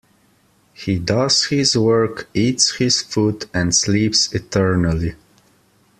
He does his work, eats his food, and sleeps eternally!